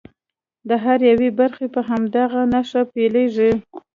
د هر یوه خبره په همدغه نښه پیلیږي.